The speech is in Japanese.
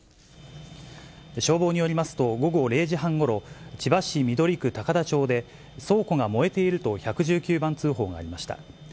消防によりますと、午後０時半ごろ、千葉市緑区高田町で、倉庫が燃えていると１１９番通報がありました。